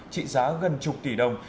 trị giá gần chục tỷ đồng